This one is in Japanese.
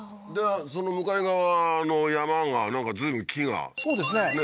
その向かい側の山がなんか随分木がそうですねねえ